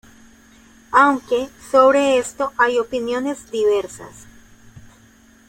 Aunque sobre esto hay opiniones diversas.